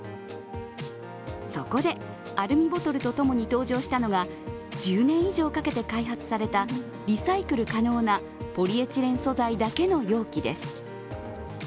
そこでアルミボトルとともに登場したのが１０年以上かけて開発されたリサイクル可能なポリエチレン素材だけの容器です。